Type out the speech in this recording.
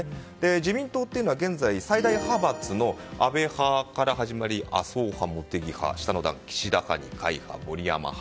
自民党というのは現在最大派閥の安倍派から始まり麻生派、茂木派岸田派、二階派、森山派。